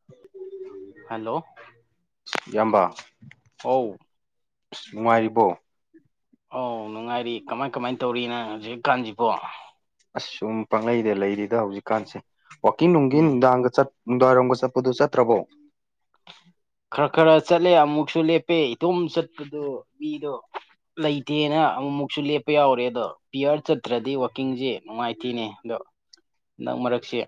[unintelligible] hello ꯏꯌꯥꯝꯕ ꯑꯧ ꯑꯁ ꯅꯨꯡꯉꯥꯏꯔꯤꯕꯣ ꯑꯧ ꯅꯨꯡꯉꯥꯏꯔꯤ ꯀꯃꯥꯏ ꯀꯃꯥꯏ ꯇꯧꯔꯤ ꯅꯪ ꯍꯧꯖꯤꯛꯀꯥꯟꯖꯤꯕꯣ ꯑꯁ ꯁꯨꯝ ꯄꯪꯂꯩꯗ ꯂꯩꯔꯤꯗ ꯍꯧꯖꯤꯛꯀꯥꯟꯁꯦ ꯋꯥꯛꯀꯤꯡ ꯅꯨꯡꯒꯤ ꯎꯝ ꯅꯨꯡꯗꯥꯡꯒ ꯆꯠ ꯅꯨꯡꯗꯥꯡꯋꯥꯏꯔꯝꯒ ꯆꯠꯄꯗꯨ ꯆꯠꯇ꯭ꯔꯕꯣ ꯈꯔ ꯈꯔ ꯆꯠꯂꯦ ꯑꯃꯨꯛꯁꯨ ꯂꯦꯞꯄꯦ ꯏꯇꯣꯝ ꯆꯠꯄꯗꯨ ꯃꯤꯗꯣ ꯂꯩꯇꯦꯅ ꯑꯃꯨꯛꯃꯨꯛꯁꯨ ꯂꯦꯞꯄ ꯌꯥꯎꯔꯦ ꯑꯗꯣ ꯄꯤꯌ꯭ꯔ ꯆꯠꯇ꯭ꯔꯗꯤ ꯋꯥꯛꯀꯤꯡꯖꯦ ꯅꯨꯡꯉꯥꯏꯇꯤꯅꯤ ꯑꯗꯣ ꯅꯪ ꯃꯔꯛꯁ‌ꯦ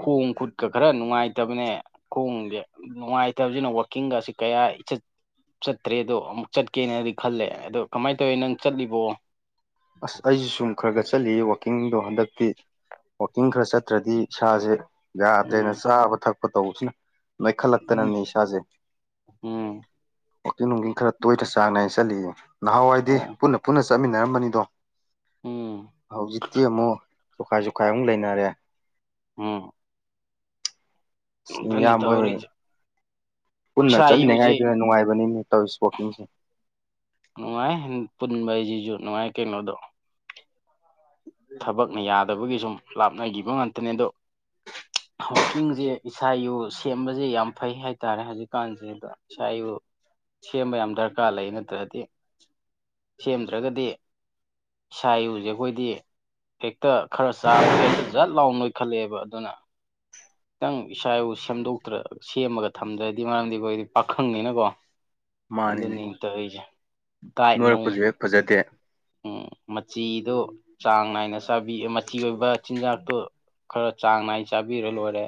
ꯈꯣꯡ ꯈꯨꯠꯀ ꯈꯔ ꯅꯨꯡꯉꯥꯏꯇꯕꯅꯦ ꯈꯣꯡꯖ‌ꯦ ꯅꯨꯡꯉꯥꯏꯇꯕꯖꯤꯅ ꯋꯥꯛꯀꯤꯡꯒꯥꯁꯤ ꯀꯌꯥ ꯏꯆꯠ ꯆꯠꯇ꯭ꯔꯦ ꯑꯗꯣ ꯑꯃꯨꯛ ꯆꯠꯀꯦꯅꯗꯤ ꯈꯜꯂꯦ ꯑꯗꯣ ꯀꯃꯥꯏ ꯇꯧꯋꯤ ꯅꯪ ꯆꯠꯂꯤꯕꯣ ꯑꯁ ꯑꯩꯖꯤ ꯁꯨꯝ ꯈꯔ ꯈꯔ ꯆꯠꯂꯤꯌ‌ꯦ ꯋꯥꯛꯀꯤꯡꯗꯣ ꯍꯟꯗꯛꯇꯤ ꯋꯥꯛꯀꯤꯡ ꯈꯔ ꯆꯠꯇ꯭ꯔꯗꯤ ꯏꯁꯥꯖ‌ꯦ ꯌꯥꯗ꯭ꯔꯦꯅ ꯎꯝ ꯆꯥꯕ ꯊꯛꯄ ꯇꯧꯕꯁꯤꯅ ꯎꯝ ꯅꯣꯏꯈꯠꯂꯛꯇꯅꯅꯦ ꯏꯁꯥꯖ‌ꯦ ꯎꯝ ꯋꯥꯛꯀꯤꯡ ꯅꯨꯡꯒꯤꯡ ꯈꯔ ꯇꯣꯏꯅ ꯆꯥꯡ ꯅꯥꯏꯅ ꯆꯠꯂꯤꯌꯦ ꯅꯍꯥꯟꯋꯥꯏꯗꯤ ꯑꯣ ꯄꯨꯟꯅ ꯄꯨꯟꯅ ꯆꯠꯃꯤꯟꯅꯔꯝꯕꯅꯤꯗꯣ ꯎꯝ ꯍꯧꯖꯤꯛꯇꯤ ꯑꯃꯨꯛ ꯇꯨꯈꯥꯏ ꯖꯎꯈꯥꯏ ꯑꯃꯨꯛ ꯂꯩꯅꯔꯦ ꯎꯟ ꯑꯗꯨꯅꯤ ꯏꯌꯥꯝꯕ ꯍꯣꯏ ꯇꯧꯔꯤꯖ ꯄꯨꯟꯅ ꯆꯠꯃꯤꯟꯅꯉꯥꯏꯗꯨꯅ ꯅꯨꯡꯉꯥꯏꯕꯅꯤꯅꯦ ꯇꯧꯔꯤꯁ ꯋꯥꯛꯀꯤꯡꯁꯦ ꯅꯨꯡꯉꯥꯏ ꯄꯨꯟꯕ ꯍꯥꯏꯁꯤꯁꯨ ꯅꯨꯡꯉꯥꯏ ꯀꯩꯅꯣꯗꯣ ꯊꯕꯛꯅ ꯌꯥꯗꯕꯒꯤ ꯁꯨꯝ ꯂꯥꯞꯅꯈꯤꯕ ꯉꯥꯛꯇꯅꯦ ꯑꯗꯣ ꯋꯥꯀꯤꯡꯁꯦ ꯏꯁꯥ ꯏꯨ ꯁꯦꯝꯕꯁꯦ ꯌꯥꯝ ꯐꯩ ꯍꯥꯏꯇꯥꯔꯦ ꯍꯧꯖꯤꯛꯀꯥꯟꯁꯦ ꯑꯗ ꯑꯦꯁꯥ ꯑꯦꯔꯨ ꯁꯦꯝꯕ ꯌꯥꯝ ꯗꯔꯀꯥꯔ ꯂꯩ ꯅꯠꯇ꯭ꯔꯗꯤ ꯁꯦꯝꯗ꯭ꯔꯒꯗꯤ ꯏꯁꯥꯎꯁꯦ ꯑꯩꯈꯣꯏꯗꯤ ꯍꯦꯛꯇ ꯈꯔ ꯆꯥꯕꯒ ꯖꯠ ꯂꯥꯎꯅ ꯅꯤꯏꯈꯠꯂꯛꯑꯦꯕ ꯑꯗꯨꯅ ꯈꯤꯇꯪ ꯏꯁꯥ ꯏꯕꯨ ꯁꯦꯝꯗꯣꯛꯇ ꯁꯦꯝꯃꯒ ꯊꯝꯗ꯭ꯔꯗꯤ ꯃꯔꯝꯗꯤ ꯑꯩꯈꯣꯏꯗꯤ ꯄꯥꯈꯪꯅꯤꯅꯀꯣ ꯃꯥꯅꯤꯅꯦ ꯑꯗꯨꯅꯤ ꯇꯧꯔꯤꯁꯦ ꯗꯤꯠ ꯅꯣꯡ ꯅꯣꯏꯔꯛꯄꯁꯨ ꯍꯦꯛ ꯐꯖꯗꯦ ꯎꯝ ꯃꯆꯤꯗꯣ ꯆꯥꯡ ꯅꯥꯏꯅ ꯆꯥꯕꯤ ꯃꯆꯤ ꯑꯣꯏꯕ ꯆꯤꯟꯖꯥꯛꯇꯣ ꯈꯔ ꯆꯥꯡ ꯅꯥꯏ ꯆꯥꯕꯤꯔ ꯂꯣꯏꯔꯦ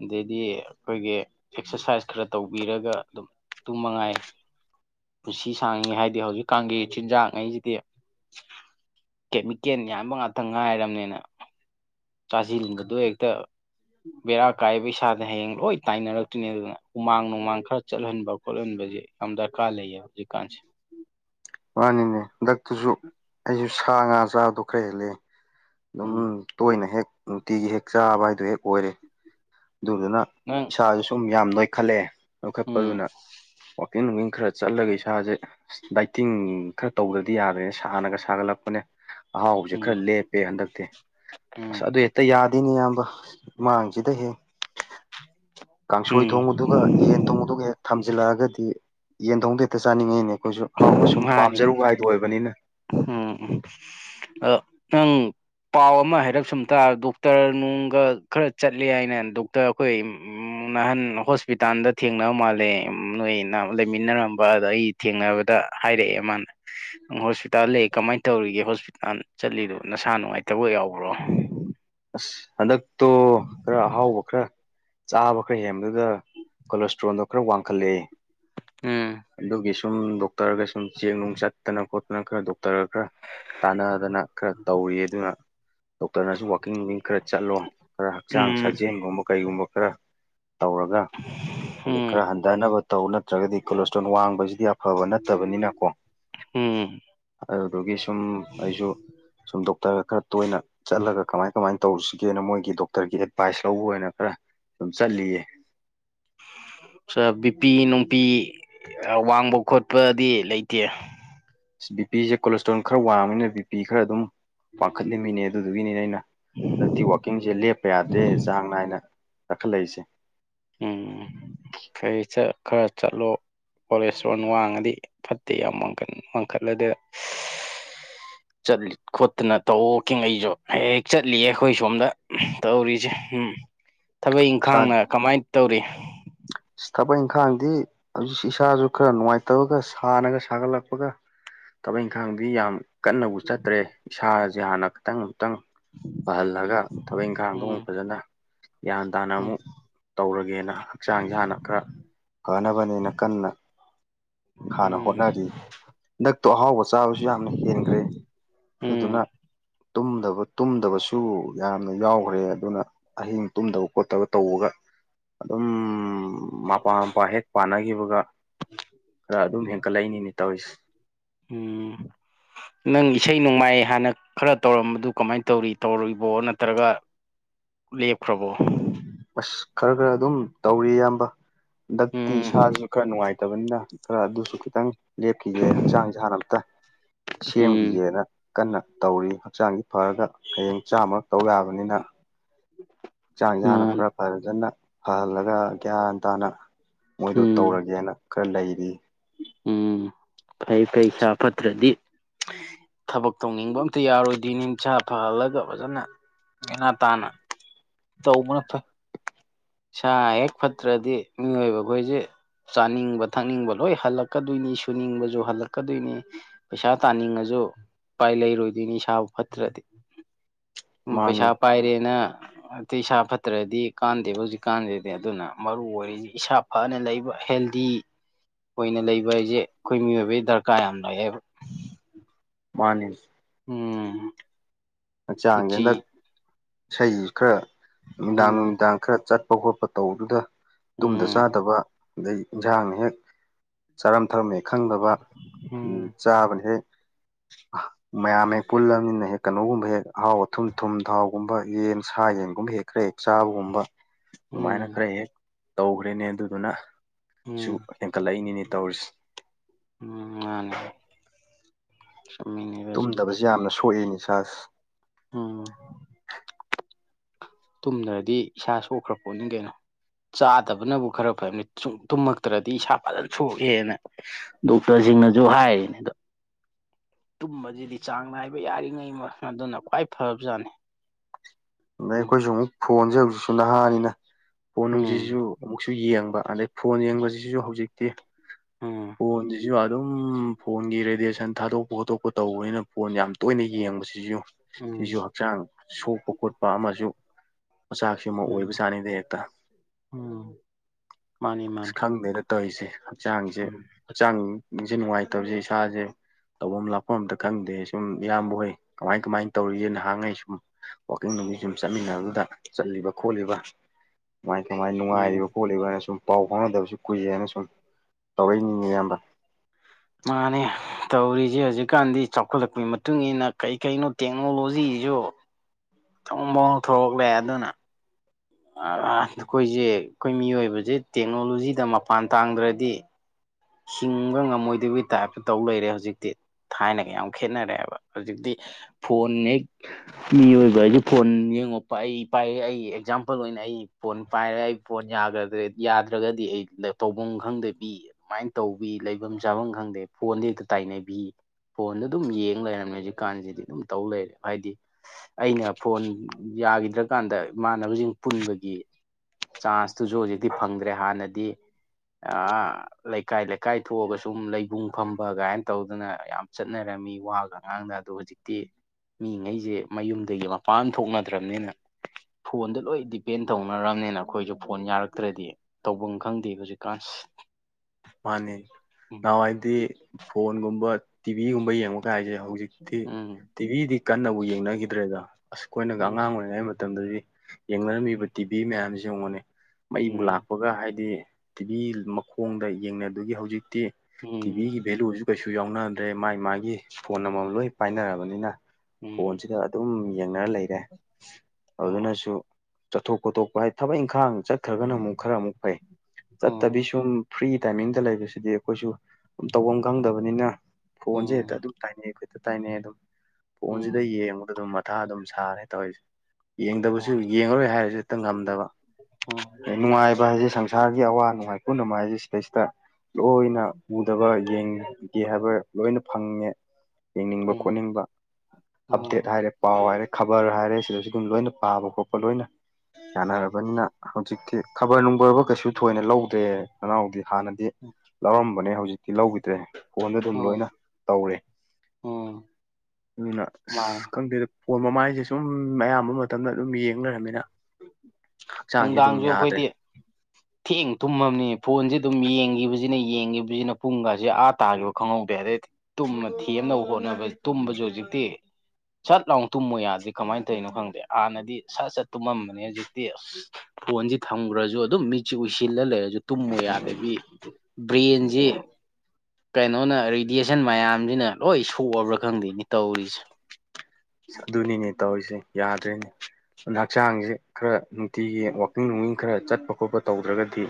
ꯑꯗꯩꯗꯤ ꯑꯩꯈꯣꯏꯒꯤ ꯑꯦꯛꯁꯔꯁꯥꯏꯁ ꯈꯔ ꯇꯧꯕꯤꯔꯒ ꯑꯗꯨꯝ ꯇꯨꯝ ꯃꯉꯥꯏ ꯄꯨꯟꯁꯤ ꯁꯥꯡꯉꯉꯦ ꯍꯥꯏꯗꯤ ꯍꯧꯖꯤꯛꯀꯥꯟꯒꯤ ꯆꯤꯟꯖꯥꯛ ꯉꯩꯁꯤꯗꯤ ꯀꯦꯃꯤꯀꯦꯟ ꯌꯥꯝꯕ ꯉꯥꯛꯇ ꯉꯥꯏꯔꯕꯅꯤꯅ ꯆꯥꯁꯤꯟꯕꯗꯣ ꯍꯦꯛꯇ ꯕꯦꯔꯥ ꯀꯥꯏꯕ ꯏꯁꯥꯗ ꯍꯌꯦꯡ ꯂꯣꯏ ꯇꯥꯏꯅꯔꯛꯇꯧꯅꯤꯕ ꯑꯗꯨꯅ ꯎꯃꯥꯡ ꯅꯨꯡꯃꯥꯡ ꯈꯔ ꯆꯠꯍꯟꯕ ꯈꯣꯇꯅꯕꯁꯦ ꯌꯥꯝ ꯗꯔꯀꯥꯔ ꯂꯩꯌꯦꯕ ꯍꯧꯖꯤꯛꯀꯥꯟꯁꯦ ꯃꯥꯅꯤꯅꯦ ꯍꯟꯗꯛꯇꯨꯁꯨ ꯑꯩꯁꯨ ꯁꯥ ꯉꯥ ꯆꯥꯕꯗ ꯈꯔ ꯍꯦꯜꯂꯛꯑꯦ ꯑꯗꯨꯝ ꯎꯝ ꯇꯣꯏꯅ ꯍꯦꯛ ꯅꯨꯡꯇꯤꯒꯤ ꯍꯦꯛ ꯆꯥꯕ ꯍꯥꯏꯗꯣ ꯍꯦꯛ ꯑꯣꯏꯔꯦ ꯑꯗꯨꯗꯨꯅ ꯅꯒ ꯏꯁꯥꯁꯦ ꯁꯨꯝ ꯌꯥꯝ ꯅꯣꯏꯈꯠꯂꯛꯑꯦ ꯎꯝ ꯅꯣꯏꯈꯠꯄꯗꯨꯅ ꯋꯥꯛꯀꯤꯡ ꯅꯣꯡꯀꯤꯡ ꯈꯔ ꯆꯠꯂꯒ ꯏꯁꯥꯁꯦ ꯗꯥꯏꯇꯤꯡ ꯈꯔ ꯇꯧꯗꯗꯤ ꯌꯥꯗ꯭ꯔꯦꯅꯦ ꯁꯥꯥꯟꯅꯒ ꯁꯥꯒꯠꯂꯛꯄꯅꯦ ꯑꯍꯥꯎꯕꯁꯦ ꯎꯝ ꯈꯔ ꯂꯦꯞꯄꯦ ꯍꯟꯗꯛꯇꯤ ꯑꯁ ꯎꯝ ꯑꯗꯁ ꯑ ꯌꯥꯗꯦꯅꯤ ꯏꯌꯥꯝꯕ ꯃꯥꯡꯁꯤꯗ ꯍꯦꯛ ꯀꯥꯡꯁꯣꯏ ꯎꯝ ꯊꯣꯡꯗꯨꯒ ꯌꯦꯟ ꯊꯣꯡꯗꯨꯒ ꯍꯦꯛꯛꯇ ꯊꯝꯖꯤꯜꯂꯛꯑꯒꯗꯤ ꯌꯦꯟ ꯊꯣꯡꯗꯨ ꯍꯦꯛꯇ ꯆꯥꯅꯤꯡꯉꯤꯅꯦ ꯑꯩꯈꯣꯏꯁꯨ ꯍꯥꯎꯕ ꯁꯨꯝ ꯃꯥꯅꯤ ꯄꯥꯝꯖꯔꯨ ꯍꯥꯏꯥꯏꯗꯨꯣ ꯑꯣꯏꯕꯅꯤꯅ ꯎꯝ ꯑꯗꯣ ꯅꯒ ꯄꯥꯎ ꯑꯃ ꯍꯥꯏꯔꯞ ꯁꯨꯝ ꯇꯥ ꯗꯣꯛꯇꯔ ꯅꯨꯡꯒ ꯈꯔ ꯆꯠꯂꯦ ꯍꯥꯏꯅꯏ ꯗꯣꯛꯇꯔ ꯑꯩꯈꯣꯏ ꯅꯍꯥꯟ ꯍꯣꯁꯄꯤꯇꯥꯜꯗ ꯊꯦꯡꯅꯕ ꯃꯥꯜꯂꯦ ꯅꯣꯏꯅ ꯂꯩꯃꯤꯟꯅꯔꯝꯕ ꯑꯗꯣ ꯑꯩ ꯊꯦꯡꯅꯕ ꯇꯥ ꯍꯥꯏꯔꯛꯑꯦ ꯃꯥꯅ ꯅꯪ ꯍꯣꯁꯄꯤꯇꯥꯜ ꯂꯩ ꯀꯃꯥꯏꯅ ꯇꯧꯔꯤꯒꯦ ꯍꯣꯁꯄꯤꯇꯥꯜ ꯆꯠꯂꯤꯗꯨꯣ ꯅꯁꯥ ꯅꯨꯡꯉꯥꯏꯇꯕꯒ ꯌꯥꯎꯕ꯭ꯔꯣ ꯑꯁ ꯍꯟꯗꯛꯇꯣ ꯈꯔ ꯑꯍꯥꯎꯕ ꯈꯔ ꯆꯥꯕ ꯈꯔ ꯍꯦꯟꯕꯗꯨꯗ ꯀꯣꯂꯦꯁꯇ꯭ꯔꯣꯜꯗꯣ ꯈꯔ ꯋꯥꯡꯈꯠꯂꯛꯦ ꯎꯝ ꯑꯗꯨꯒꯤꯁꯨ ꯁꯨꯝ ꯗꯣꯛꯇꯔꯒ ꯁꯨꯝ ꯆꯦꯡ ꯅꯨꯡ ꯆꯠꯇꯅ ꯈꯣꯠꯇꯅ ꯈꯔ ꯗꯣꯛꯇꯔꯒ ꯈꯔ ꯇꯥꯟꯅꯗꯅ ꯈꯔ ꯇꯧꯔꯤ ꯑꯗꯨꯅ ꯗꯣꯛꯇꯔꯅꯁꯨ ꯋꯥꯛ ꯀꯀꯤꯡ ꯃꯤꯡ ꯈꯔ ꯆꯠꯂꯣ ꯈꯔ ꯍꯛꯆꯥꯡ ꯎꯝ ꯁꯥꯖꯦꯟꯒꯨꯝꯕ ꯀꯩꯒꯨꯝꯕ ꯈꯔ ꯇꯧꯔꯒ ꯑꯗꯤ ꯎꯝ ꯈꯔ ꯍꯟꯊꯅꯕ ꯇꯧ ꯅꯠꯇ꯭ꯔꯒꯗꯤ ꯀꯣꯂꯦꯁꯇ꯭ꯔꯣꯜ ꯋꯥꯡꯕꯁꯤꯗꯤ ꯑꯐꯥ ꯐꯕ ꯅꯠꯇꯕꯅꯤꯅꯀꯣ ꯎꯝ ꯑꯗꯨꯗꯨꯒꯤ ꯁꯨꯝ ꯑꯩꯁꯨ ꯁꯨꯝ ꯗꯣꯛꯇꯔꯒ ꯈꯔ ꯇꯣꯏꯅ ꯆꯠꯂꯒ ꯀꯃꯥꯏꯅ ꯀꯃꯥꯏꯅ ꯇꯧꯔꯁꯤꯒꯦꯅ ꯃꯣꯏꯒꯤ ꯗꯣꯛꯇꯔꯒꯤ ꯑꯦꯗꯚꯥꯏꯁ ꯂꯧꯕꯑꯣꯏꯅ ꯈꯔ ꯑꯗꯨꯝ ꯆꯠꯂꯤꯌꯦ ꯁꯦ ꯕꯤꯄꯤ ꯅꯨꯡꯄꯤ ꯋꯥꯡꯕ ꯈꯣꯠꯄꯗꯤ ꯂꯩꯇꯦ ꯕꯤ ꯄꯤꯁꯦ ꯀꯣꯂꯦꯁꯇ꯭ꯔꯣꯜ ꯈꯔ ꯋꯥꯡꯉꯤꯅꯦ ꯕꯤꯄꯤ ꯈꯔ ꯑꯗꯨꯝ ꯄꯥꯈꯠꯂꯤꯃꯤꯅꯦ ꯑꯗꯨꯗꯨꯒꯤꯅꯤꯅꯦ ꯑꯩꯅ ꯍꯟꯗꯛꯇꯤ ꯋꯥꯛꯀꯤꯡꯁꯦ ꯂꯦꯞꯄ ꯌꯥꯗ꯭ꯔꯦ ꯆꯥꯡ ꯅꯥꯏꯅ ꯆꯠꯈꯠꯂꯛꯏꯁꯦ ꯎꯝ ꯐꯩ ꯆꯠ ꯈꯔ ꯆꯠꯂꯣ ꯀꯣꯂꯦꯁꯇ꯭ꯔꯣꯟꯜ ꯋꯥꯡꯉꯗꯤ ꯐꯠꯇꯦ ꯌꯥꯝ ꯋꯥꯡꯈꯠꯂꯗꯤ [inaudible] ꯆꯠꯂꯤ ꯈꯣꯠꯇꯅ ꯇꯧ ꯋꯥꯛꯀꯤꯡ ꯑꯩꯁꯨ ꯍꯦꯛ ꯍꯦꯛ ꯆꯠꯂꯤꯌꯦ ꯑꯩꯈꯣꯏ ꯁꯣꯝꯗ ꯇꯧꯔꯤꯁꯦ ꯎꯝ [inaudible] ꯊꯕꯛ ꯏꯪꯈꯥꯡꯅ ꯀꯃꯥꯏꯅ ꯇꯧꯔꯤ ꯑꯁ ꯊꯕꯛ ꯏꯪꯈꯥꯡꯗꯤ ꯍꯧꯖꯤꯛꯁꯤ ꯏꯁꯥꯁꯨ ꯈꯔ ꯅꯨꯡꯉꯥꯏꯇꯕꯒ ꯁꯥꯥꯟꯅꯒ ꯁꯥꯒꯠꯂꯛꯄꯒ ꯊꯕꯛ ꯏꯪꯈꯥꯡꯗꯤ ꯌꯥꯝ ꯀꯟꯅꯕꯨ ꯆꯠꯇ꯭ꯔꯦ ꯏꯁꯥꯁꯦ ꯍꯥꯟꯅ ꯈꯤꯇꯪ ꯑꯃꯨꯛꯇꯪ ꯐꯍꯜꯂꯒ ꯊꯕꯛ ꯏꯪꯈꯥꯡꯗꯨ ꯎꯝ ꯐꯖꯅ ꯒ꯭ꯌꯥꯟ ꯇꯥꯅ ꯎꯝ ꯑꯃꯨꯛ ꯇꯧꯔꯒꯦꯅ ꯍꯛꯆꯥꯡꯁꯦ ꯍꯥꯟꯅ ꯈꯔ ꯐꯅꯕꯅꯤꯅ ꯀꯟꯅ ꯍꯥꯟꯅ ꯎꯝ ꯍꯣꯠꯅꯔꯤ ꯍꯦꯟꯗꯥꯛꯇꯣ ꯑꯍꯥꯎꯕ ꯆꯥꯕꯁꯨ ꯌꯥꯝꯅ ꯍꯦꯟꯈ꯭ꯔꯦ ꯎꯝ ꯑꯗꯨꯗꯨꯅ ꯇꯨꯝꯗꯕ ꯇꯨꯝꯗꯕꯁꯨ ꯌꯥꯝꯅ ꯌꯥꯎꯒ꯭ꯔꯦ ꯑꯗꯨꯅ ꯑꯍꯤꯡ ꯇꯨꯝꯗꯕ ꯈꯣꯠꯇꯕ ꯇꯧꯕꯒ ꯑꯗꯨꯝ ꯃꯄꯥ ꯃꯄꯥ ꯍꯦꯛ ꯄꯥꯟꯅꯈꯤꯕꯒ ꯈꯔ ꯑꯗꯨꯝ ꯍꯦꯟꯀꯠꯂꯛꯏꯅꯤꯅꯦ ꯇꯧꯔꯤꯁꯦ ꯎꯝ ꯅꯪ ꯏꯁꯩ ꯅꯣꯡꯃꯥꯏ ꯍꯥꯟꯅ ꯈꯔ ꯇꯧꯔꯝꯕꯗꯨ ꯀꯃꯥꯏꯅ ꯇꯧꯔꯤ ꯇꯧꯔꯤꯕꯣ ꯅꯠꯇ꯭ꯔꯒ [inaudible] ꯂꯦꯞꯈ꯭ꯔꯕꯣ ꯑꯁ ꯈꯔ ꯈꯔ ꯑꯗꯨꯝ ꯇꯧꯔꯤ ꯏꯌꯥꯝꯕ ꯍꯟꯗꯛꯇꯤ ꯎꯝ ꯏꯁꯥꯁꯤꯁꯨ ꯈꯔ ꯅꯨꯡꯉꯥꯏꯇꯕꯅꯤꯅ ꯈꯔ ꯑꯗꯨꯁꯨ ꯈꯤꯇꯪ ꯂꯦꯞꯈꯤꯒꯦ ꯍꯛꯆꯥꯡꯁꯦ ꯍꯥꯟꯅ ꯑꯝꯇ ꯎꯝ ꯁꯦꯝꯈꯤꯒꯦꯅ ꯀꯟꯅ ꯇꯧꯔꯤ ꯍꯛꯆꯥꯡꯁꯤ ꯐꯔꯒ ꯍꯌꯦꯡ ꯆꯥꯝꯃꯔꯛ ꯇꯧ ꯌꯥꯕꯅꯤꯅ ꯍꯛꯆꯥꯡꯁꯤ ꯍꯟꯅ ꯃꯥꯅꯤ ꯈꯔ ꯐꯖꯅ ꯐꯍꯜꯂꯒ ꯒ꯭ꯌꯥꯟ ꯇꯥꯅ ꯃꯣꯏꯗꯣ ꯎꯝ ꯇꯧꯔꯒꯦꯅ ꯈꯔ ꯂꯩꯔꯤ ꯎꯝ ꯐꯩ ꯐꯩ ꯢꯁꯥ ꯐꯠꯇ꯭ꯔꯗꯤ ꯊꯕꯛ ꯇꯧꯅꯤꯡꯕ ꯑꯝꯇ ꯌꯥꯔꯣꯏꯗꯣꯏꯅꯤ ꯏꯁꯥ ꯐꯍꯜꯂꯒ ꯐꯖꯅ ꯅ‌ꯦꯅꯥ ꯇꯥꯅ ꯇꯧꯕꯅ ꯐꯩ ꯢꯁꯥ ꯍꯦꯛ ꯐꯠꯇ꯭ꯔꯗꯤ ꯃꯤꯑꯣꯏꯕ ꯑꯩꯈꯣꯏꯖꯤ ꯆꯥꯅꯤꯡꯕ ꯊꯛꯅꯤꯡꯕ ꯂꯣꯏ ꯍꯜꯂꯛꯀꯗꯣꯏꯅꯤ ꯁꯨꯅꯤꯡꯕꯖꯨ ꯍꯜꯂꯛꯀꯗꯣꯏꯅꯤ ꯄꯩꯁꯥ ꯇꯥꯅꯤꯡꯉꯖꯨ ꯎꯄꯥꯏ ꯂꯩꯔꯣꯏꯗꯣꯏꯅꯤ ꯏꯁꯥꯕꯨ ꯐꯠꯇ꯭ꯔꯗꯤ [inaudible] ꯎꯝ ꯄꯩꯁꯥ ꯄꯥꯏꯔꯦꯅ ꯑꯗꯩ ꯏꯁꯥ ꯐꯠꯇ꯭ꯔꯗꯤ ꯀꯥꯟꯗꯦꯕ ꯍꯧꯖꯤꯛ ꯀꯥꯟꯗ‌ꯦꯗ ꯑꯗꯨꯅ ꯃꯔꯨ ꯑꯣꯏꯔꯤꯖꯤ ꯏꯁꯥ ꯐꯅ ꯂꯩꯕ ꯍꯦꯜꯗꯤ ꯑꯣꯏꯅ ꯂꯩꯕ ꯍꯥꯏꯁꯤ ꯑꯩꯈꯣꯏ ꯃꯤꯑꯣꯏꯕꯒꯤ ꯗꯔꯀꯥꯔ ꯌꯥꯝꯅ ꯂꯥꯛꯑꯦꯕ ꯃꯥꯅꯤ ꯎꯝ ꯍꯛꯆꯥꯡꯖꯤ ꯎꯆꯤ ꯍꯟꯗꯥꯛ ꯏꯁꯩ ꯈꯔ ꯅꯨꯡꯃꯤꯗꯥꯡ ꯎꯝ ꯅꯨꯡꯃꯤꯗꯥꯡ ꯈꯔ ꯆꯠꯄ ꯈꯣꯠꯄ ꯇꯧꯕꯗꯨꯗ ꯇꯨꯝꯗ ꯎꯝ ꯆꯥꯗꯕ ꯑꯗꯩ ꯏꯟꯖꯥꯡ ꯍꯦꯛ ꯆꯥꯔꯝ ꯊꯥꯔꯝ ꯍ‌ꯦꯛ ꯈꯪꯗꯕ ꯎꯝ ꯆꯥꯕꯅ ꯍꯦꯛ ꯃꯌꯥꯝ ꯍꯦꯛ ꯄꯨꯜꯂꯕꯅꯤꯅ ꯍꯦꯛ ꯀꯩꯅꯣꯒꯨꯝꯕ ꯃꯍꯦꯛ ꯑꯍꯥꯎ ꯑꯊꯨꯝ ꯊꯨꯝ ꯊꯥꯎꯒꯨꯝꯕ ꯌꯦꯟ ꯁꯥ ꯌꯦꯟꯒꯨꯝꯕ ꯍꯦꯛ ꯈꯔ ꯍꯦꯛ ꯆꯥꯕꯒꯨꯝꯕ ꯑꯗꯨꯃꯥꯏꯅ ꯎꯝ ꯈꯔ ꯍꯦꯛ ꯇꯧꯈ꯭ꯔꯦꯅꯦ ꯑꯗꯨꯗꯨꯅ ꯁꯨ ꯎꯝ ꯍꯦꯟꯀꯠꯂꯛꯏꯅꯤꯅꯦ ꯇꯧꯔꯤꯁꯦ ꯎꯝ ꯃꯥꯟꯅꯦ ꯆꯨꯝꯃꯤꯅꯤ ꯑꯗꯨꯖꯨ ꯗꯕꯖꯤ ꯌꯥꯝꯅ ꯁꯣꯛꯏꯅꯤ ꯏꯁꯥꯖꯤ ꯎꯝ ꯇꯨꯝꯗ꯭ꯔꯗꯤ ꯏꯁꯥ ꯁꯣꯛꯈ꯭ꯔ ꯄꯣꯠꯅꯤ ꯀꯩꯅꯣ ꯆꯥꯗꯕꯅꯕꯨ ꯈꯔ ꯐꯅꯤ ꯁꯨꯝ ꯇꯨꯝꯃꯛꯇ꯭ꯔꯗꯤ ꯏꯁꯥ ꯐꯖꯅ ꯁꯣꯛꯑꯦꯅ ꯗꯣꯛꯇꯔꯖꯤꯡꯅꯖꯨ ꯍꯥꯏ ꯑꯗꯣ ꯇꯨꯝꯕꯁꯤꯗꯤ ꯆꯥꯡ ꯅꯥꯏꯕ ꯌꯥꯔꯤꯉꯩ ꯃ ꯑꯗꯨꯅ ꯈ꯭ꯋꯥꯏ ꯐꯔꯕꯖꯥꯠꯅꯤ ꯑꯗꯩ ꯑꯩꯈꯣꯏꯖꯨ ꯑꯃꯨꯛ ꯐꯣꯟꯖ‌ꯦ ꯍꯧꯖꯤꯛꯁꯤ ꯅꯍꯥꯅꯤꯅ ꯐꯣꯟ ꯎꯝ ꯅꯨꯡꯖꯤꯖꯨ ꯑꯃꯨꯛꯁꯨ ꯌꯦꯡꯕ ꯑꯗꯩ ꯐꯣꯟ ꯌꯦꯡꯕꯁꯤꯁꯨ ꯍꯧꯖꯤꯛꯇꯤ ꯎꯝ ꯐꯣꯟꯁꯤꯁꯨ ꯑꯗꯨꯝ ꯐꯣꯟꯒꯤ ꯔꯦꯗꯤꯌꯦꯁꯟ ꯊꯥꯗꯣꯛꯄ ꯈꯣꯠꯇꯣꯛꯄ ꯇꯧꯕꯅꯤꯅ ꯐꯣꯟ ꯌꯥꯝ ꯇꯣꯏꯅ ꯌꯦꯡꯕꯁꯤꯁꯨ ꯎꯝ ꯁꯤꯁꯨ ꯍꯛꯆꯥꯡ ꯁꯣꯛꯄ ꯈꯣꯠꯄ ꯑꯃꯁꯨ ꯃꯆꯥꯛ ꯁꯤꯃ ꯎꯝ ꯑꯣꯏꯕ ꯆꯥꯠꯅꯤꯗꯥ ꯍꯦꯛꯇ ꯎꯝ ꯃꯥꯅꯤ ꯑꯁ ꯃꯥꯅꯤ ꯈꯪꯗꯦꯗ ꯇꯣꯏꯁꯦ ꯍꯛꯆꯥꯡꯁꯦ ꯎꯝ ꯍꯛꯆꯥꯡꯁꯦ ꯅꯨꯡꯉꯥꯏꯇꯕꯁꯦ ꯏꯁꯥꯁꯦ ꯇꯧꯐꯝ ꯂꯥꯛꯐꯝ ꯑꯃꯇ ꯈꯪꯗꯦ ꯁꯨꯝ ꯏꯌꯥꯝꯕ ꯍꯣꯏ ꯀꯃꯥꯏ ꯀꯃꯥꯏꯅ ꯇꯧꯔꯤꯒꯦ ꯅꯍꯥꯟꯉꯩ ꯁꯨꯝ ꯋꯥ ꯀꯤꯡ ꯅꯨꯡꯒꯤꯡ ꯁꯨꯝ ꯆꯠꯃꯤꯟꯅꯗꯨꯗ ꯆꯠꯂꯤꯕꯥ ꯈꯣꯠꯂꯤꯕꯥ ꯀꯃꯥꯏ ꯀꯃꯥꯏꯟ ꯎꯝ ꯅꯨꯡꯉꯥꯏꯔꯤꯕ ꯈꯣꯠꯂꯤꯕꯅ ꯁꯨꯝ ꯄꯥꯎ ꯐꯥꯎꯅꯗꯕꯁꯨ ꯀꯨꯏꯔꯦꯅ ꯁꯨꯝ ꯇꯧꯔꯛꯏꯅꯤꯅꯦ ꯏꯌꯥꯝꯕ ꯃꯥꯅꯦ ꯇꯧꯔꯤꯁꯦ ꯍꯧꯖꯤꯛꯀꯥꯟꯗꯤ ꯆꯥꯎꯈꯠꯂꯛꯄꯒꯤ ꯃꯇꯨꯡ ꯏꯟꯅ ꯀꯩ ꯀꯩꯅꯣ ꯇꯦꯛꯅꯣꯂꯣꯖꯤꯁꯨ ꯊꯪꯃꯣꯛ ꯊꯣꯛꯂꯦ ꯑꯗꯨꯅ ꯑꯥ ꯑꯩꯈꯣꯏꯁꯦ ꯑꯩꯈꯣꯏ ꯃꯤꯑꯣꯏꯕꯁꯦ ꯇꯦꯛꯅꯣꯂꯣꯖꯤꯗ ꯃꯄꯥꯟ ꯇꯥꯡꯗ꯭ꯔꯗꯤ ꯍꯤꯡꯕ ꯉꯝꯃꯣꯏꯗꯕꯩ ꯇꯥꯏꯞꯇ ꯇꯧ ꯂꯩꯔꯦ ꯍꯧꯖꯤꯛꯇꯤ ꯊꯥꯏꯅꯒ ꯌꯥꯝ ꯈꯦꯠꯅꯔꯦ ꯍꯥꯏꯕ ꯍꯧꯖꯤꯛꯇꯤ ꯐꯣꯟꯅꯦꯛ ꯃꯤꯑꯣꯏꯕ ꯍꯥꯏꯖꯦ ꯐꯣꯟ ꯌꯦꯡꯉꯣ ꯄꯥꯏ ꯄꯥꯏ ꯑꯩ ꯑꯦꯛꯖꯥꯝꯄꯜ ꯑꯣꯏꯅ ꯑꯩ ꯐꯣꯟ ꯄꯥꯏꯔꯦ ꯑꯩ ꯐꯣꯟ ꯌꯥꯗ꯭ꯔꯗ ꯌꯥꯗ꯭ꯔꯒꯗꯤ ꯑꯩ ꯇꯧꯐꯝ ꯈꯪꯗꯕꯤ ꯑꯗꯨꯃꯥꯏꯟ ꯇꯧꯕꯤ ꯂꯩꯐꯝ ꯆꯥꯐꯝ ꯈꯪꯗꯦ ꯐꯣꯟꯗ ꯍꯦꯛꯇ ꯇꯥꯏꯅꯕꯤ ꯐꯣꯟꯗ ꯑꯗꯨꯝ ꯌꯦꯡ ꯂꯩꯔꯝꯃꯦ ꯍꯧꯖꯤꯛ ꯀꯥꯟꯁꯤꯗꯤ ꯑꯗꯨꯝ ꯇꯧ ꯂꯩꯔꯦ ꯍꯥꯏꯗꯤ ꯑꯩꯅ ꯐꯣꯟ ꯌꯥꯒꯤꯗ꯭ꯔꯀꯥꯟꯗ ꯏꯃꯥꯟꯅꯕꯁꯤꯡ ꯄꯨꯟꯕꯒꯤ ꯆꯥꯟꯁꯇꯨꯖꯨ ꯍꯧꯖꯤꯛꯇꯤ ꯐꯪꯗ꯭ꯔꯦ ꯍꯥꯟꯅꯗꯤ ꯑꯑꯥ ꯂꯩꯀꯥꯏ ꯂꯩꯀꯥꯏ ꯊꯣꯛꯑꯒ ꯁꯨꯝ ꯂꯩꯕꯨꯡ ꯐꯝꯕ ꯀꯥꯏꯅ ꯇꯧꯗꯅ ꯌꯥꯝ ꯆꯠꯅꯔꯝꯃꯤ ꯋꯥꯒ ꯉꯥꯡꯅ ꯑꯗꯣ ꯍꯧꯖꯤꯛꯇꯤ ꯃꯤꯉꯩꯖꯦ ꯃꯌꯨꯝꯗꯒꯤ ꯃꯄꯥꯟ ꯑꯝ ꯊꯣꯛꯅꯗ꯭ꯔꯝꯅꯤꯅ ꯐꯣꯟꯗ ꯂꯣꯏ ꯗꯤꯄꯦꯟ ꯇꯧꯅꯔꯝꯅꯤꯅꯥ ꯑꯩꯈꯣꯏꯁꯨ ꯐꯣꯟ ꯌꯥꯔꯛꯇ꯭ꯔꯗꯤ ꯇꯧꯕꯝ ꯈꯪꯗꯦꯕ ꯍꯧꯖꯤꯛꯀꯥꯟꯁꯦ ꯃꯥꯅꯦ ꯅꯍꯥꯟꯋꯥꯏꯗꯤ ꯐꯣꯟꯒꯨꯝꯕ ꯇꯤꯚꯤꯒꯨꯝꯕ ꯌꯦꯡꯕ ꯀꯥꯏꯁꯦ ꯍꯧꯖꯤꯛ ꯇꯤ ꯎꯝ ꯇꯤꯚꯤꯗꯤ ꯀꯟꯅꯕꯨ ꯌꯦꯡꯅꯒꯤꯗ꯭ꯔꯦꯗꯥ ꯑꯁ ꯑꯩꯈꯣꯏꯅꯒ ꯎꯝ ꯑꯉꯥꯡ ꯑꯣꯏꯔꯤꯉꯩ ꯃꯇꯝꯗꯗꯤ ꯌꯦꯡꯅꯔꯝꯃꯤꯕ ꯇꯤꯚꯤ ꯃꯌꯥꯝꯁꯤ ꯌꯦꯡꯉꯣꯅꯦ ꯃꯩꯕꯨ ꯎꯝ ꯂꯥꯛꯄꯒ ꯍꯥꯏꯗꯤ ꯇꯤꯚꯤ ꯃꯈꯣꯡꯗ ꯌꯦꯡꯅꯗꯨꯒꯤ ꯍꯧꯖꯤꯛꯇꯤ ꯇꯤꯚꯤꯒꯤ ꯚꯦꯂꯨꯖꯦ ꯀꯩꯁꯨ ꯁꯨ ꯌꯥꯎꯅꯗ꯭ꯔꯦ ꯃꯥꯏ ꯃꯥꯒꯤ ꯐꯣꯟ ꯑꯃꯃꯝ ꯂꯣꯏ ꯄꯥꯏꯅꯔꯕꯅꯤꯅ ꯎꯝ ꯎꯝ ꯐꯣꯟꯁꯤꯗ ꯑ ꯗꯨꯝ ꯌꯦꯡꯅꯔ ꯂꯩꯔꯦ ꯍꯣꯏ ꯑꯗꯨꯅꯁꯨ ꯆꯠꯊꯣꯛ ꯈꯣꯠꯇꯣꯛꯄ ꯍꯥꯏ ꯊꯕꯛ ꯏꯪꯈꯥꯡ ꯆꯠ ꯈ꯭ꯔꯒꯅ ꯑꯃꯨꯛ ꯈꯔ ꯑꯃꯨꯛ ꯐꯩ ꯆꯠꯇꯕꯤ ꯎꯝ ꯁꯨꯝ ꯐ꯭ꯔꯤ ꯇꯥꯏꯃꯤꯡꯗ ꯂꯩꯕꯁꯤꯗꯤ ꯑꯩꯈꯣꯏꯁꯨ ꯑꯗꯨꯝ ꯇꯧꯕꯝ ꯈꯪꯗꯕꯅꯤꯅ ꯐꯣꯟꯁꯦ ꯍꯦꯛꯇ ꯎꯝ ꯑꯗꯨꯝ ꯇꯥꯏꯅꯩ ꯈꯣꯏ ꯍꯦꯛꯇ ꯇꯥꯏꯅꯩ ꯑꯗꯨꯝ ꯐꯣꯟꯁꯤꯗ ꯎꯝ ꯌꯦꯡꯕꯗ ꯑꯗꯨꯝ ꯃꯊꯥ ꯑꯗꯨꯝ ꯁꯥꯔꯦ ꯇꯧꯔꯤꯁꯦ ꯌꯦꯡꯗꯕꯁꯨ ꯍꯣꯏ ꯌꯦꯡꯉꯔꯣꯏ ꯍꯥꯏꯔꯁꯨ ꯍꯦꯛꯇ ꯉꯝꯗꯕ ꯎꯝ ꯅꯨꯡꯉꯥꯏꯕ ꯍꯥꯏꯁꯦ ꯁꯪ ꯁꯥꯔꯒꯤ ꯑꯋꯥ ꯅꯨꯡꯉꯥꯏ ꯄꯨꯝꯅꯃꯛ ꯍꯥꯏꯔꯤꯁꯦ ꯁꯤ ꯗꯩꯩꯁꯤꯗ ꯂꯣꯏꯅ ꯎꯗꯕ ꯌ‌ꯦꯡ ꯌꯦꯡꯒꯦ ꯍꯥꯏꯕ ꯂꯣꯏꯅ ꯐꯪꯉꯦ ꯌꯦꯡꯅꯤꯡꯕ ꯎꯝ ꯈꯣꯠꯅꯤꯡꯕ ꯑꯞꯗꯦꯠ ꯎꯝ ꯍꯥꯏꯔꯦ ꯄꯥꯎ ꯍꯥꯏꯔꯦ ꯈꯕꯔ ꯍꯥꯏꯔꯦ ꯁꯤꯗꯁꯨ ꯑꯗꯨꯝ ꯂꯣꯏꯅ ꯄꯥꯕ ꯈꯣꯠꯄ ꯂꯣꯏꯅ ꯌꯥꯅꯔꯕꯅꯤꯅ ꯍꯧꯖꯤꯛꯇꯤ ꯈꯕꯔ ꯅꯨꯡꯕ꯭ꯔꯕꯨꯛ ꯀꯩꯁꯨ ꯊꯣꯏꯅ ꯂꯧꯗ꯭ꯔꯦ ꯅꯅꯥꯎꯗꯤ ꯍꯥꯟꯅꯗꯤ ꯂꯧꯔꯝꯕꯅꯦ ꯍꯧꯖꯤꯛꯇꯤ ꯂꯧꯒꯤꯗ꯭ꯔꯦ ꯐꯣꯟꯗ ꯑꯗꯨꯝ ꯂꯣꯏꯅ ꯎꯝ ꯇꯧꯔꯦ ꯎꯝ ꯑꯗꯨꯅ ꯃꯥꯅꯦ ꯑꯁ ꯈꯪꯗꯦꯗ ꯐꯣꯟ ꯃꯃꯥꯏꯁꯦ ꯁꯨꯝ ꯑꯌꯥꯝꯕ ꯃꯇꯝꯗ ꯑꯗꯨꯝ ꯌꯦꯡ ꯂꯩꯔꯝꯃꯤꯅ ꯅꯨꯡꯗꯥꯡꯁꯨ ꯑꯩꯈꯣꯏꯗꯤ ꯊꯦꯡ ꯊꯨꯝꯃꯕꯅꯤ ꯐꯣꯟꯁꯦ ꯑꯗꯨꯝ ꯌꯦꯡꯈꯤꯕꯁꯤꯅ ꯌꯦꯡꯈꯤꯕꯁꯤꯅ ꯄꯨꯡꯒꯁꯦ ꯑꯥ ꯇꯥꯈꯤꯕ ꯈꯪꯍꯧꯗꯦ ꯑꯗꯩꯩ ꯇꯨꯝꯕ ꯊꯦꯝꯅꯕ ꯍꯣꯠꯅꯕ ꯇꯨꯝꯕꯁꯨ ꯍꯧꯖꯤꯛꯇꯤ ꯁꯠ ꯂꯥꯎ ꯇꯨꯝꯃ‌ꯣ ꯌꯥꯗ꯭ꯔꯤ ꯀꯃꯥꯏꯅ ꯇꯧꯔꯤꯅꯣ ꯈꯪꯗꯦ ꯍꯥꯟꯅꯗꯤ ꯁꯠ ꯁꯠ ꯇꯨꯝꯃꯝꯕꯅꯦ ꯍꯧꯖꯤꯛꯇꯤ ꯑꯁ ꯐꯣꯟꯁꯤ ꯊꯝꯈ꯭ꯔꯁꯨ ꯑꯗꯨꯝ ꯃꯤꯠꯁꯦ ꯎꯏꯁꯤꯜꯂ ꯂꯩꯔꯁꯨ ꯇꯨꯝꯃꯨ ꯌꯥꯗꯕꯤ ꯕ꯭ꯔꯦꯟꯖꯤ ꯀꯩꯅꯣꯅ ꯔꯦꯗꯤꯌꯦꯁꯟ ꯃꯌꯥꯝꯁꯤꯅ ꯂꯣꯏ ꯁꯣꯛꯑꯕ꯭ꯔꯥ ꯈꯪꯗꯦꯅꯦ ꯇꯧꯔꯤꯁꯦ ꯑꯗꯨꯅꯤꯅꯦ ꯇꯧꯔꯤꯁꯦ ꯌꯥꯗ꯭ꯔꯦꯅꯦ ꯑꯗꯨꯅ ꯍꯛꯆꯥꯡꯁꯦ ꯈꯔ ꯅꯨꯡꯇꯤꯒꯤ ꯋꯥꯛꯀꯤꯡ ꯅꯨꯡꯀꯤꯡ ꯈꯔ ꯆꯠꯄ ꯈꯣꯠꯄ ꯇꯧꯗ꯭ꯔꯥꯒ ꯗꯤ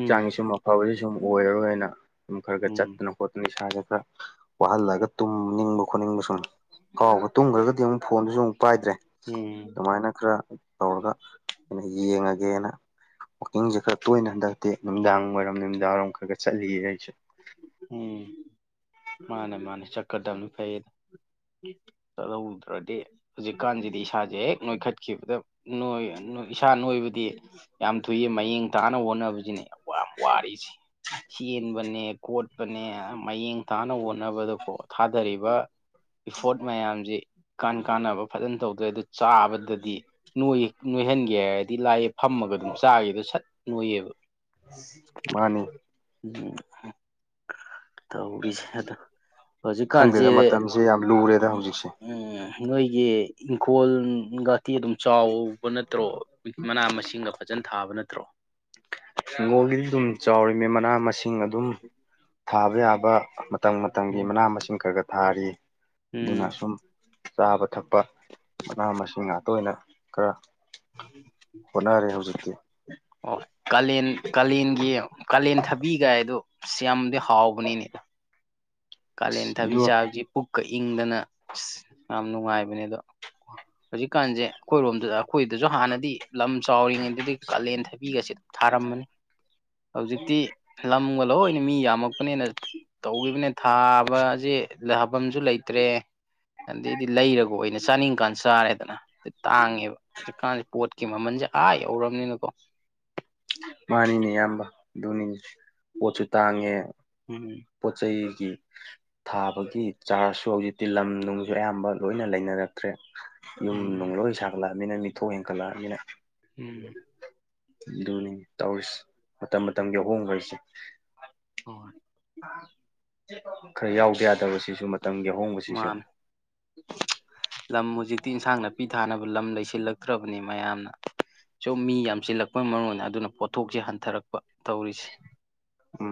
ꯎꯝ ꯁꯨꯝ ꯑꯐꯕꯗꯤ ꯁꯨꯝ ꯑꯣꯏꯔꯔꯣꯏꯅ ꯁꯨꯝ ꯈꯔ ꯈꯔ ꯎꯝ ꯆꯠꯇꯅ ꯈ‌ꯣꯠꯇꯅ ꯏꯁꯥꯁ‌ꯦ ꯈꯔ ꯋꯥꯍꯜꯂꯒ ꯇꯨꯝꯅꯤꯡꯕ ꯈꯣꯠꯅꯤꯡꯕ ꯁꯨꯝ ꯐꯥꯎꯕ ꯇꯨꯝꯒ꯭ꯔꯥꯒꯗꯤ ꯑꯃꯨꯛ ꯐꯣꯟꯗꯨꯁꯨ ꯑꯃꯨꯛ ꯄꯥꯏꯗ꯭ꯔꯦ ꯎꯝ ꯑꯗꯨꯃꯥꯏꯅ ꯈꯔ ꯇꯧꯔꯒ ꯑꯩꯅ ꯌꯦꯡꯉꯒꯦꯅ ꯋꯥꯛꯀꯤꯡꯁꯦ ꯈꯔ ꯇꯣꯏꯅ ꯍꯟꯗꯛꯇꯤ ꯅꯨꯃꯤꯗꯥꯡ ꯋꯥꯏꯔꯝ ꯅꯨꯃꯤꯗꯥꯡ ꯋꯥꯏꯔꯝ ꯈꯔ ꯈꯔ ꯆꯠꯂꯤꯌꯦ ꯑꯩꯁꯨ ꯎꯝ ꯃꯥꯅꯦ ꯃꯥꯅꯦ ꯆꯛꯀꯗꯝꯅꯤ ꯐꯩ ꯆꯠꯍꯧꯗ꯭ꯔꯥꯗꯤ ꯍꯧꯖꯤꯛꯀꯥꯟꯁꯤꯗꯤ ꯏꯁꯥꯁꯦ ꯍꯦꯛ ꯅꯣꯏꯈꯠꯈꯤꯕꯗ ꯅ‌ꯣꯏ ꯅ‌ꯣꯏ ꯏꯁꯥ ꯅꯣꯏꯕꯗꯤ ꯌꯥꯝ ꯊꯨꯏꯌ‌ꯦ ꯃꯌꯦꯡ ꯇꯥꯅꯕ ꯍꯣꯠꯅꯕꯁꯤꯅꯦ ꯌꯥꯝ ꯋꯥꯔꯤꯁꯤ ꯆꯦꯟꯕꯅꯦ ꯈꯣꯠ ꯄꯅꯦ ꯃꯌꯦꯡ ꯇꯥꯅꯕ ꯍꯣꯠꯅꯕꯗꯀꯣ ꯊꯥꯗꯔꯤꯕ ꯏꯐꯣꯔꯠ ꯃꯌꯥꯝꯁꯦ ꯏꯀꯥꯟ ꯀꯥꯟꯅꯕ ꯐꯖꯅ ꯇꯧꯗ꯭ꯔꯗꯤ ꯆꯥꯕꯗ ꯗꯤ ꯅꯣꯏ ꯅꯣꯏꯍꯟꯒꯦ ꯍꯥꯏꯔꯗꯤ ꯂꯥꯏꯌꯦ ꯐꯝꯃꯒ ꯑꯗꯨꯝ ꯆꯥꯒꯤꯕꯗ ꯁꯠ ꯅꯣꯏꯌꯦꯕ ꯃꯥꯅꯤ [unintelligible] ꯇꯧꯔꯤꯁꯦ ꯑꯗꯣ ꯍꯧꯖꯤꯛꯀꯥꯟꯁꯦ ꯈꯪꯗꯦꯗ ꯃꯇꯝꯁꯦ ꯌꯥꯝ ꯂꯨꯔꯦꯗ ꯎꯝ ꯍꯧꯖꯤꯛꯁꯦ ꯎꯝ ꯅꯣꯏꯒꯤ ꯏꯪꯈꯣꯜꯒ ꯇꯤ ꯑꯗꯨꯝ ꯆꯥꯎꯕ ꯅꯠꯇ꯭ꯔꯣ ꯃꯅꯥ ꯃꯁꯤꯡꯒ ꯐꯖꯅ ꯊꯥꯕ ꯅꯠꯇ꯭ꯔꯣ ꯍꯤꯡꯒꯣꯜꯒꯤꯗꯤ ꯑꯗꯨꯝ ꯆꯥꯎꯔꯤꯃꯦ ꯃꯅꯥ ꯃꯁꯤꯡ ꯑꯗꯨꯝ ꯊꯥꯕ ꯌꯥꯕ ꯃꯇꯝ ꯃꯇꯝꯒꯤ ꯎꯝ ꯃꯅꯥ ꯃꯁꯤꯡ ꯈꯔ ꯈꯔ ꯊꯥꯔꯤꯌ‌ꯦ ꯎꯝ ꯑꯗꯨꯅ ꯁꯨꯝ ꯆꯥꯕ ꯊꯛꯄ ꯃꯅꯥ ꯃꯁꯤꯡ ꯉꯥꯛꯇ ꯑꯣꯏꯅ ꯈꯔ ꯍꯣꯠꯅꯔꯦ ꯍꯧꯖꯤꯛꯇꯤ ꯑ‌ꯣ ꯀꯥꯂꯦꯟ ꯀꯥꯂꯦꯟꯒꯤ ꯀꯥꯂꯦꯟ ꯊꯕꯤꯒꯥꯏꯗꯣ ꯁꯤ ꯌꯥꯝꯗꯤ ꯍꯥꯎꯕꯅꯤꯅꯦ ꯀꯂꯦꯟ ꯑꯁ ꯊꯕꯤ ꯑꯗꯨ ꯆꯥꯕꯗꯤ ꯄꯨꯛꯀ ꯏꯪꯗꯅ ꯑꯁ ꯌꯥꯝ ꯅꯨꯡꯉꯥꯏꯕꯅꯦ ꯑꯗꯣ ꯍꯧꯖꯤꯛꯀꯥꯟꯁꯦ ꯑꯩꯈꯣꯏꯔꯣꯝꯗ ꯑ ꯑꯈꯣꯏꯗꯁꯨ ꯍꯥꯟꯅꯗꯤ ꯂꯝ ꯆꯥꯎꯔꯤꯉꯩꯗꯗꯤ ꯀꯥꯂꯦꯟ ꯊꯥꯕꯤꯒꯁꯦ ꯊꯥꯔꯝꯕꯅꯤ ꯍꯧꯖꯤꯛꯇꯤ ꯂꯝꯒ ꯂꯣꯏꯅ ꯃꯤ ꯌꯥꯝꯃꯛꯄꯅꯤꯅ ꯇꯧꯈꯤꯕꯅꯤꯅ ꯊꯥꯕꯁꯦ ꯊꯥꯐꯝꯁꯨ ꯂꯩꯇ꯭ꯔꯦ ꯑꯗꯩꯗꯤ ꯂꯩꯔꯒ ꯑꯣꯏꯅ ꯆꯥꯅꯤꯡꯀꯥꯟ ꯆꯥꯔꯦꯗꯅ ꯇꯥꯡꯉꯦꯕ ꯍꯧꯖꯤꯛꯀꯥꯟꯁꯦ ꯄꯣꯠꯀꯤ ꯃꯃꯜꯁꯦ ꯑꯥ ꯌꯧꯔꯕꯅꯤꯅꯀꯣ ꯃꯥꯅꯤꯅꯦ ꯑꯌꯥꯝꯕ ꯑꯗꯨꯅꯤꯅꯦ ꯄꯣꯠꯁꯨ ꯇꯥꯡꯉꯦ ꯎꯝ ꯄꯣꯠ ꯆꯩꯒꯤ ꯊꯥꯕꯒꯤ ꯆꯥꯔꯖꯁꯨ ꯍꯧꯖꯤꯛꯇꯤ ꯂꯝꯅꯨꯡꯁꯨ ꯑꯌꯥꯝꯕ ꯂꯣꯏꯅ ꯂꯩꯅꯔꯛ ꯇ꯭ꯔꯦ ꯌꯨꯝ ꯎꯝ ꯅꯨꯡꯂꯣꯏ ꯁꯥꯒꯠꯂꯛꯑꯃꯤꯅ ꯃꯤꯊꯣꯛ ꯍꯦꯟꯒꯠꯂꯛꯑꯕꯅꯤꯅ ꯎꯝ ꯑꯗꯨꯅꯤ ꯇꯧꯔꯤꯁꯤ ꯃꯇꯝ ꯃꯇꯝꯒꯤ ꯑꯍꯣꯡꯕ ꯍꯥꯏꯁꯦ ꯍꯣꯏ ꯈꯔ ꯌꯥꯎꯗ ꯌꯥꯗꯕ ꯁꯤꯁꯨ ꯃꯇꯝꯒꯤ ꯑꯍꯣꯡꯕꯁꯤꯁꯨ ꯃꯥꯅꯦ ꯂꯝ ꯍꯧꯖꯤꯛꯇꯤ ꯏꯟꯁꯥꯡ ꯅꯥꯄꯤ ꯊꯥꯅꯕ ꯂꯝ ꯂꯩꯁꯤꯜꯂꯛꯇ꯭ꯔꯕꯅꯤ ꯃꯌꯥꯝꯅ ꯁꯨꯝ ꯃꯤ ꯌꯥꯝꯁꯤꯜꯂꯛꯄꯩ ꯃꯔꯨꯑꯣꯏꯅ ꯑꯗꯨꯅ ꯄꯣꯠꯊꯣꯛꯁꯦ ꯍꯟꯊꯔꯛꯄ ꯇꯧꯔꯤꯁꯦ ꯎꯝ